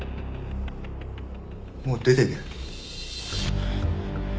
もう出ていけ。